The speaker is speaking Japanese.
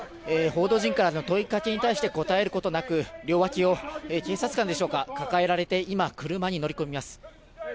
報道陣からの問いかけに対して答えることなく、両脇を警察官でしょうか、抱えられて今車に乗り込みます。